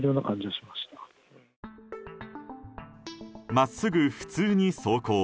真っすぐ普通に走行。